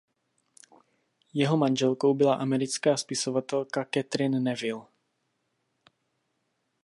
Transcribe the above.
Jeho manželkou byla americká spisovatelka Katherine Neville.